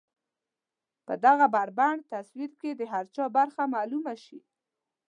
په دغه بربنډ تصوير کې د هر چا برخه معلومه شي.